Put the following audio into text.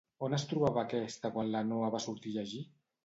On es trobava aquesta quan la Noa va sortir a llegir?